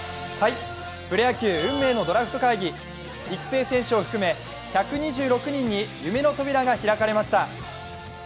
プロ野球、運命のドラフト会議、育成選手を含め１２６人に夢の扉が開かれました。